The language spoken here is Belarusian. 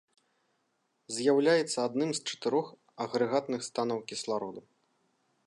З'яўляецца адным з чатырох агрэгатных станаў кіслароду.